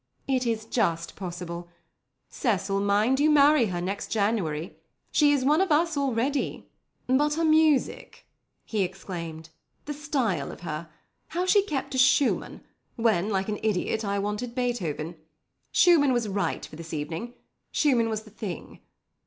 "It is just possible. Cecil, mind you marry her next January. She is one of us already." "But her music!" he exclaimed. "The style of her! How she kept to Schumann when, like an idiot, I wanted Beethoven. Schumann was right for this evening. Schumann was the thing.